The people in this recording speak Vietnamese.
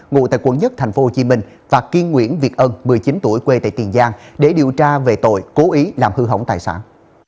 ngụ tại quận một tp hcm và kiên nguyễn việt ân một mươi chín tuổi quê tại tiền giang để điều tra về tội cố ý làm hư hỏng tài sản